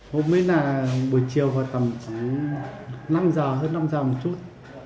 hôm nay là buổi chiều vào tầm năm giờ hơn năm giờ một chút